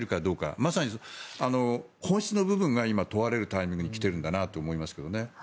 まさに本質の部分が今、問われるタイミングに来ているんだと思いますけどね。